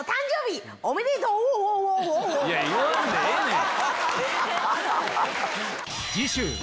言わんでええねん！